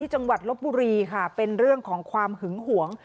จังหวัดลบบุรีค่ะเป็นเรื่องของความหึงหวง